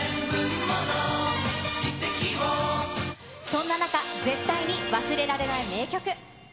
そんな中、絶対に忘れられない名曲。